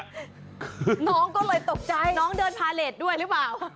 น้องก็เลยตกใจน้องเดินพาเลสด้วยหรือเปล่า